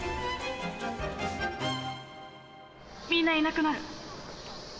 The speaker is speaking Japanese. みんないなくなる。